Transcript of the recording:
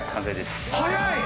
早い！